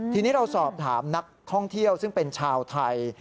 ทีนี้เราสอบถามนักท่องเที่ยวซึ่งเป็นชาวไทย